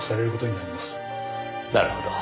なるほど。